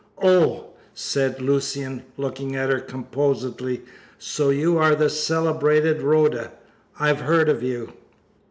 "Oh!" said Lucian, looking at her composedly, "so you are the celebrated Rhoda? I've heard of you."